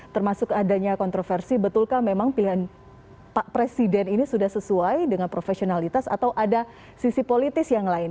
termasuk adanya kontroversi betulkah memang pilihan pak presiden ini sudah sesuai dengan profesionalitas atau ada sisi politis yang lain